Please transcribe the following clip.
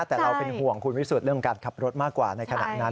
แต่เราเป็นห่วงคุณวิสุทธิ์เรื่องการขับรถมากกว่าในขณะนั้น